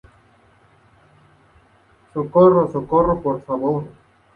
¡ socorro, socorro! ¡ por favor!